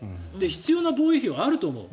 必要な防衛費はあると思う。